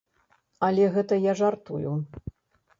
Але гэта я жартую!